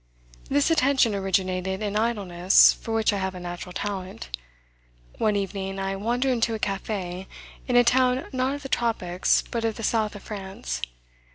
This attention originated in idleness for which I have a natural talent. One evening I wandered into a cafe, in a town not of the tropics but of the South of France.